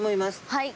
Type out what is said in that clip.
はい。